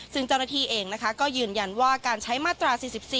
ซึ่งเจ้าหน้าที่เองก็ยืนยันว่าการใช้มาตรา๔๔